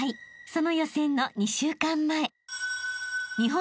その予選の２週間前］